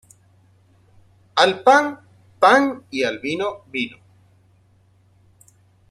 Al pan, pan y al vino, vino